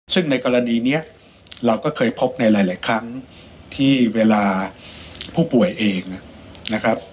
ซึ่งในกรณีนี้เราก็เคยพบในหลายครั้งที่เวลาผู้ป่วยเองนะครับ